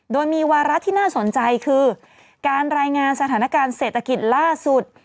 โดยมีวาระที่น่าสนใจคือการรายงานสถานการณ์เศรษฐกิจล่าสุด